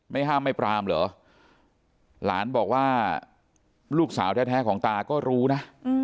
ห้ามไม่ปรามเหรอหลานบอกว่าลูกสาวแท้ของตาก็รู้นะ